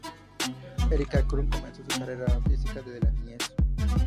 Érika Krum comenzó su carrera artística desde la niñez.